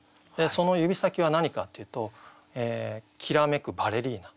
その「指先」は何かっていうと「煌めくバレリーナ」。